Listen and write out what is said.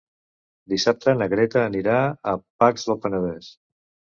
Dissabte na Greta anirà a Pacs del Penedès.